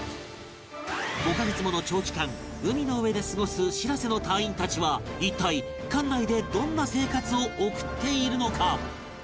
５カ月もの長期間海の上で過ごす「しらせ」の隊員たちは一体艦内でどんな生活を送っているのか？